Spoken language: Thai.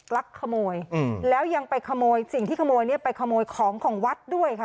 ลักขโมยแล้วยังไปขโมยสิ่งที่ขโมยเนี่ยไปขโมยของของวัดด้วยค่ะ